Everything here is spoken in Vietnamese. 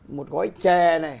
một gói chè